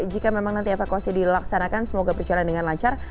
jika memang nanti evakuasi dilaksanakan semoga berjalan dengan lancar